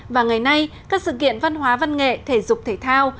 và ngày nay các sự kiện văn hóa văn nghệ thể dục thể thao